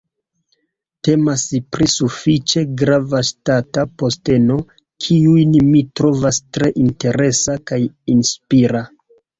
Temas pri sufiĉe grava ŝtata posteno, kiun mi trovas tre interesa kaj inspira.